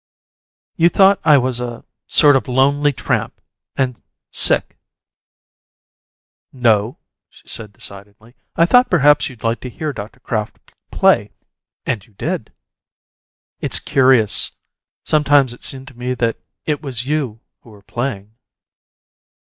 "You thought I was a sort of lonely tramp and sick " "No," she said, decidedly. "I thought perhaps you'd like to hear Dr. Kraft play. And you did." "It's curious; sometimes it seemed to me that it was you who were playing."